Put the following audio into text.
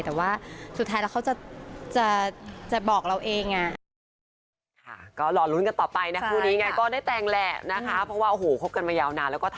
แต่ว่าสุดท้ายแล้วเขาจะบอกเราเอง